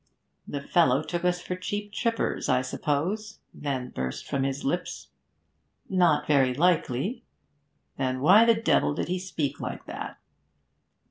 'The fellow took us for cheap trippers, I suppose,' then burst from his lips. 'Not very likely.' 'Then why the devil did he speak like that?'